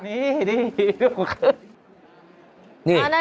นี่นี่นี่